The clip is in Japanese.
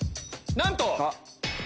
なんと！